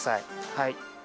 はい。